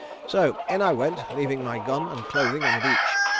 So in I went leaving my gun and clothing on the beach.